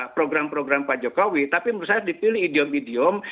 program program pak jokowi tapi menurut saya dipilih idiom idiom